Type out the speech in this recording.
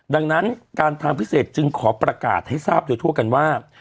ดังนั้นการทางพิเศษจึงขอประกาศให้ทราบโดยทั่วกันว่า